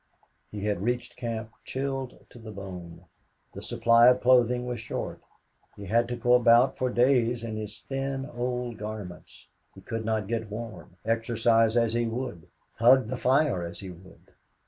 He had reached camp chilled to the bone. The supply of clothing was short. He had to go about for days in his thin, old garments. He could not get warm, exercise as he would, hug the fire as he would.